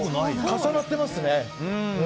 重なってますね。